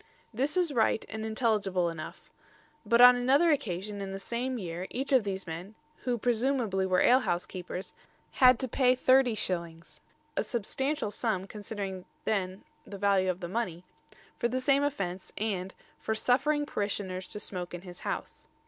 This is right and intelligible enough; but on another occasion in the same year each of these men, who presumably were ale house keepers, had to pay 30s. a substantial sum considering the then value of money for the same offence and "for suffering parishioners to smoke in his house."